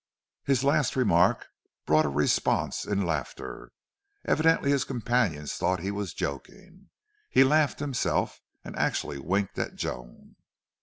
His last remark brought a response in laughter. Evidently his companions thought he was joking. He laughed himself and actually winked at Joan.